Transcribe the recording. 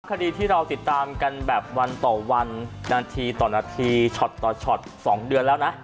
คดีที่เราติดตามกันแบบวันต่อวันนาทีต่อนาทีช็อตต่อช็อต๒เดือนแล้วนะ